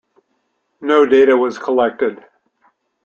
No data was collected.